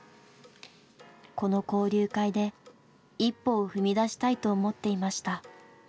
この交流会で一歩を踏み出したいと思っていました。